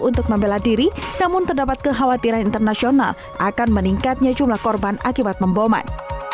namun terdapat kekhawatiran internasional akan meningkatnya jumlah korban akibat membomban